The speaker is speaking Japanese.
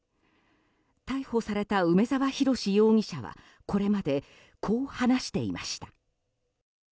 逮捕された梅沢洋容疑者はこれまでこう話していました。